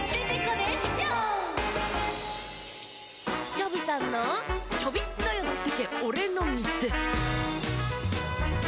チョビさんの「チョビっとよってけおれのみせ」。